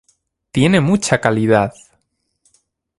Tiene mucha calidad!".